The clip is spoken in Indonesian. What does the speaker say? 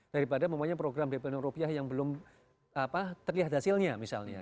daripada mempunyai program bpnr yang belum terlihat hasilnya misalnya